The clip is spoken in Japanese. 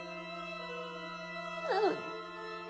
なのに。